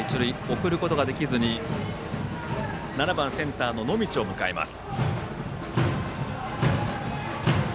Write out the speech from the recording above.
送ることができずに７番センター、野道を迎えます。